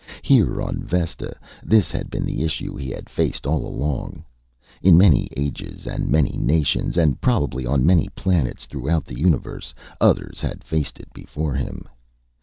Here on Vesta, this had been the issue he had faced all along. In many ages and many nations and probably on many planets throughout the universe others had faced it before him.